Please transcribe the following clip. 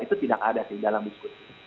itu tidak ada sih dalam diskusi